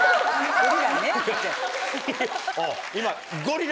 今。